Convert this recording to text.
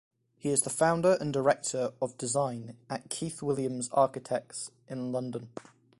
He is the founder and director of design at Keith Williams Architects in London.